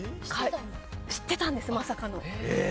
知ってたんです、まさかの。